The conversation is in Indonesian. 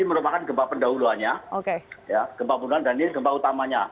ini merupakan gempa pendahuluannya gempa bundan dan ini gempa utamanya